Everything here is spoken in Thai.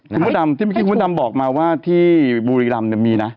ที่เมื่อกี้คุณดำบอกมาว่าที่บุรีรำมีนะ